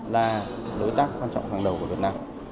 là đối tác quan trọng hàng đầu của việt nam